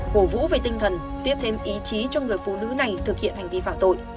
cổ vũ về tinh thần tiếp thêm ý chí cho người phụ nữ này thực hiện hành vi phạm tội